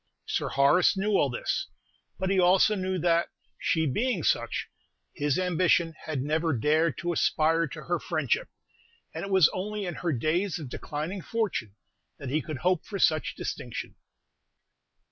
Sir Horace knew all this; but he also knew that, she being such, his ambition had never dared to aspire to her friendship, and it was only in her days of declining fortune that he could hope for such distinction.